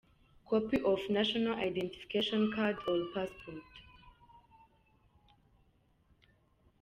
Copy of National Identification Card or Passport ;.